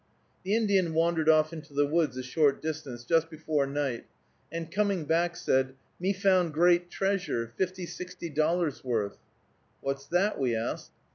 The Indian wandered off into the woods a short distance just before night, and, coming back, said, "Me found great treasure, fifty, sixty dollars' worth." "What's that?" we asked.